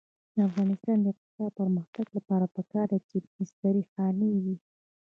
د افغانستان د اقتصادي پرمختګ لپاره پکار ده چې مستري خانې وي.